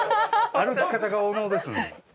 歩き方がお能です。